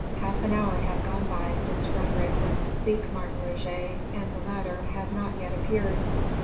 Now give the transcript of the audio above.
Half an hour had gone by since Frédérick went to seek Martin Roget, and the latter had not yet appeared.